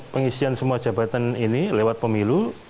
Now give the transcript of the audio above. pengisian semua jabatan ini lewat pemilu